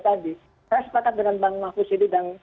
tadi saya sepakat dengan bang mahdud siddiq